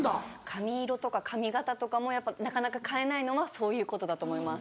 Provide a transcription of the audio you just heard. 髪色とか髪形とかもやっぱなかなか変えないのはそういうことだと思います。